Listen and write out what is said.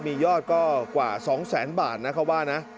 มียอดก็กว่าสองแสนบาทนะครับว่านะ